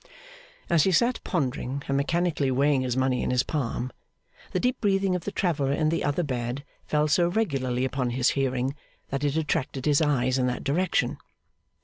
As he sat pondering, and mechanically weighing his money in his palm, the deep breathing of the traveller in the other bed fell so regularly upon his hearing that it attracted his eyes in that direction.